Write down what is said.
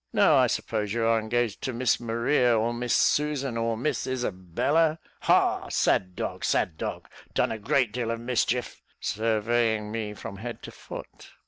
No, I suppose you are engaged to Miss Maria, or Miss Susan, or Miss Isabella ha, sad dog, sad dog done a great deal of mischief," surveying me from head to foot.